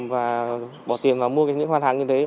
và bỏ tiền mua những mặt hàng như thế